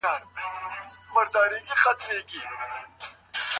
یو چاغ سړي د غوښو ټوټو ته پکه وهله.